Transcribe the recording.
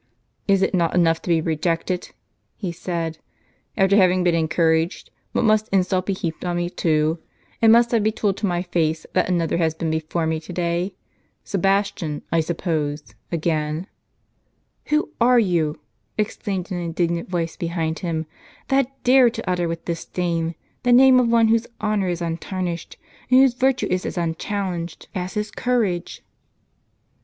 " Is it not enough to be rejected," he said, " after having been encouraged, but must insult be heaped on me too ? and must I be told to my face that another has been before me to day? — Sebastian, I suppose, again " "Who are you?" exclaimed an indignant voice behind him, " that dare to utter with disdain, the name of one whose honor is untarnished, and whose virtue is as unchal lenged as his courage?"